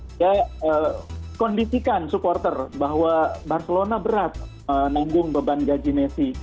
saya kondisikan supporter bahwa barcelona berat menanggung beban gaji messi